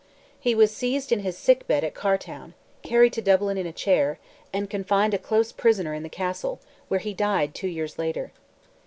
He was seized in his sick bed at Cartown, carried to Dublin in a chair, and confined a close prisoner in the castle, where he died two years later.